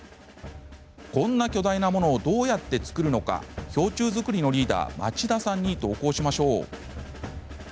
こんな巨大なものをどうやって作るのか氷柱作りのリーダー町田さんに同行しましょう。